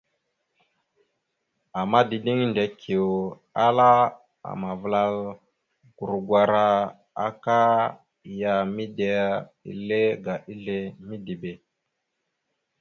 Ama dideŋ Ndekio ala amavəlal gurgwara aka ya midera ile aga izle midibe.